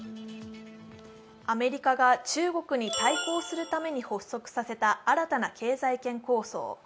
アメリカが中国に対抗するために発足させた新たな経済圏構想